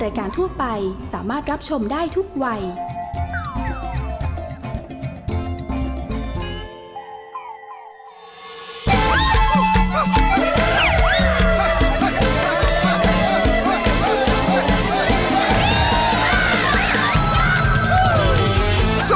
ชิ้นตะวันออกชิ้นตะวันตก